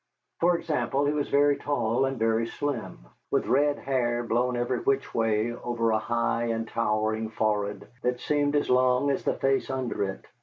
For example, he was very tall and very slim, with red hair blown every which way over a high and towering forehead that seemed as long as the face under it.